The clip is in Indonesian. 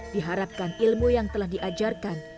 diharapkan ilmu yang telah diajarkan